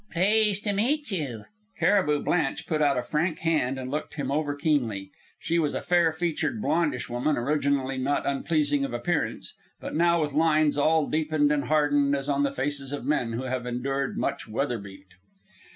"Pleased to meet you." Cariboo Blanche put out a frank hand and looked him over keenly. She was a fair featured, blondish woman, originally not unpleasing of appearance, but now with lines all deepened and hardened as on the faces of men who have endured much weather beat.